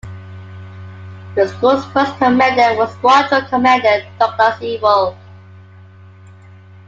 The school's first commander was Squadron Commander Douglas Evill.